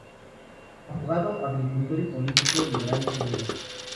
Abogado, agricultor y político liberal chileno.